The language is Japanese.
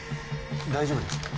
大丈夫ですか？